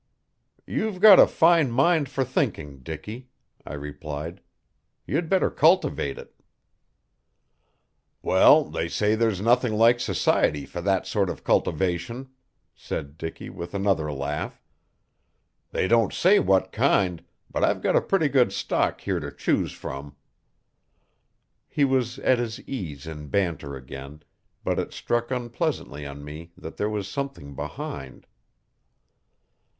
"You've got a fine mind for thinking, Dicky," I replied. "You'd better cultivate it." "Well, they say there's nothing like society for that sort of cultivation," said Dicky with another laugh. "They don't say what kind, but I've got a pretty good stock here to choose from." He was at his ease in banter again, but it struck unpleasantly on me that there was something behind.